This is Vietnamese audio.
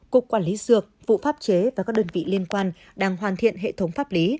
cục quản lý dược vụ pháp chế và các đơn vị liên quan đang hoàn thiện hệ thống pháp lý